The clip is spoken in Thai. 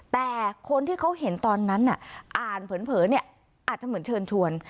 แต่คนที่เขาเห็นตอนนั้นอ่านเผินอาจจะเหมือนเชิญชวน